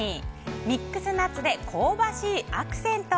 ミックスナッツで香ばしいアクセント！